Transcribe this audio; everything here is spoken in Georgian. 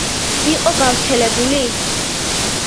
იყო გავრცელებული?